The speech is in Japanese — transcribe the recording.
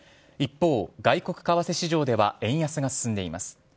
一方、外国為替市場では円安が進んでいます。